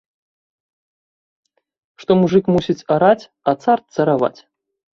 Што мужык мусіць араць, а цар цараваць!